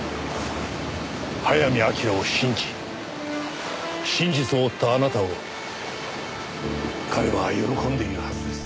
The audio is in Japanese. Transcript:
早見明を信じ真実を追ったあなたを彼は喜んでいるはずです。